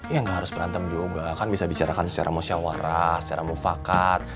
ya gak harus berantem juga kan bisa bisa bicarakan secara mosyawara secara mufakat